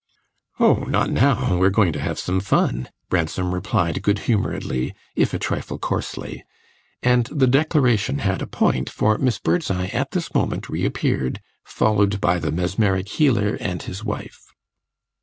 "Oh, not now, we are going to have some fun," Ransom replied good humouredly, if a trifle coarsely; and the declaration had a point, for Miss Birdseye at this moment reappeared, followed by the mesmeric healer and his wife.